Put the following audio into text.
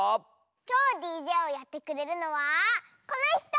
きょうＤＪをやってくれるのはこのひと！